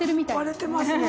割れてますね。